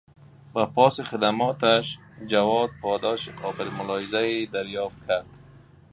به پاس خدماتش، جواد پاداش قابل ملاحظهای دریافت کرد.